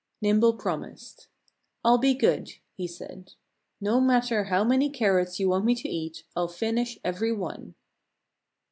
Nimble promised. "I'll be good," he said. "No matter how many carrots you want me to eat, I'll finish every one."